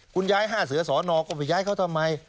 คุณย้าย๕เสือสอนอก็ไปย้ายเขาทำไม